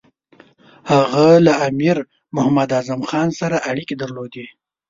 هغه له امیر محمد اعظم خان سره اړیکې درلودې.